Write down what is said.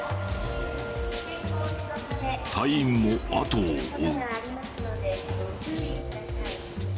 隊員もあとを追う。